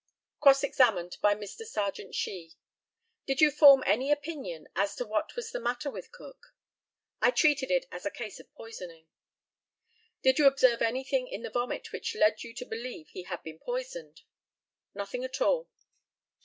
Cross examined by Mr. Serjeant SHEE: Did you form any opinion as to what was the matter with Cook? I treated it as a case of poisoning. Did you observe anything in the vomit which led you to believe he had been poisoned? Nothing at all.